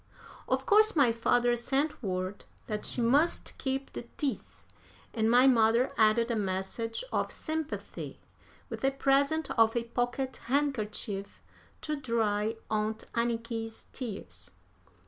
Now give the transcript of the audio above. Of course my father sent word that she must keep the teeth, and my mother added a message of sympathy, with a present of a pocket handkerchief to dry Aunt Anniky's tears.